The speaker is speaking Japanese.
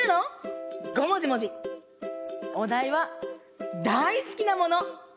おだいはだいすきなもの。